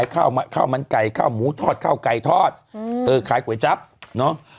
ข้าวมันไก่ข้าวหมูทอดข้าวไก่ทอดอืมเออขายก๋วยจั๊บเนอะ